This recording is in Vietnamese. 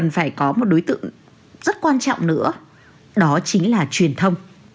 và truyền thông